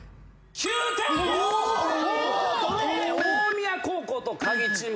大宮高校とカギチームこちら。